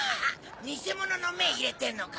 偽物の目入れてんのか？